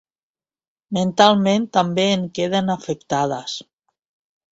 Mentalment també en queden afectades.